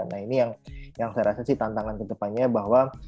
nah ini yang saya rasa sih tantangan kedepannya bahwa